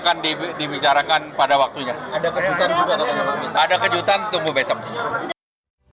kepada media erlangga hartarto mengatakan bahwa kerajaan ini akan menjadi kejutan tentang nama cawapres mendampingi prabowo